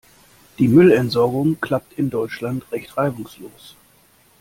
Die Müllentsorgung klappt in Deutschland recht reibungslos.